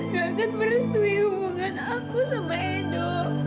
gak akan merestui hubungan aku sama edo